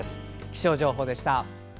気象情報でした。